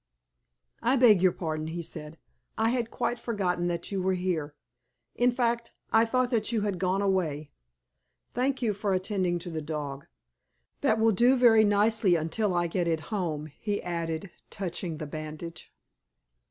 "I beg your pardon," he said. "I had quite forgotten that you were here. In fact, I thought that you had gone away. Thank you for attending to the dog. That will do very nicely until I get it home," he added, touching the bandage.